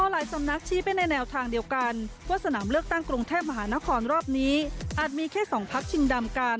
มีความรู้สึกว่าสนามเลือกตั้งกรุงแท่มมหานครรอบนี้อาจมีแค่สองพักชิงดำกัน